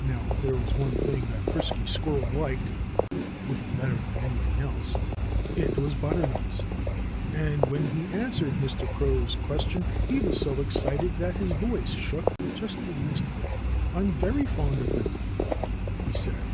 Now, if there was one thing that Frisky Squirrel liked a little better than anything else, it was butternuts. And when he answered Mr. Crow's question he was so excited that his voice shook just the least bit. "I'm very fond of them," he said.